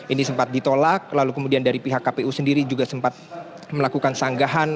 ini sempat ditolak lalu kemudian dari pihak kpu sendiri juga sempat melakukan sanggahan